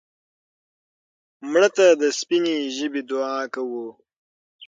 مړه ته د سپینې ژبې دعا کوو